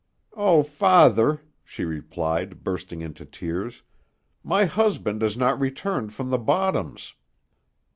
"Oh, father," she replied, bursting into tears, "my husband has not returned from the bottoms!"